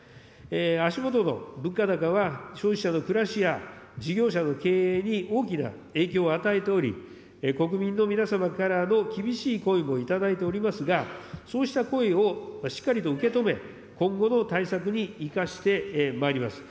足下の物価高は消費者の暮らしや事業者の経営に大きな影響を与えており、国民の皆様からの厳しい声も頂いておりますが、そうした声をしっかりと受け止め、今後の対策に生かしてまいります。